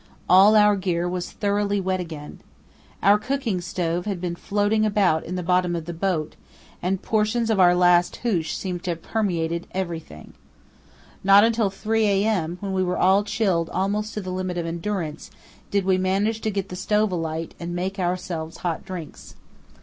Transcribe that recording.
All our gear was thoroughly wet again. Our cooking stove had been floating about in the bottom of the boat, and portions of our last hoosh seemed to have permeated everything. Not until 3 a.m., when we were all chilled almost to the limit of endurance, did we manage to get the stove alight and make ourselves hot drinks.